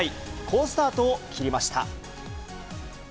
好スタートを切りました。